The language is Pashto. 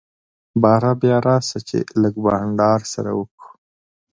باره بيا راسه چي لږ بانډار سره وکو.